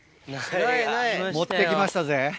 持って来ましたぜ。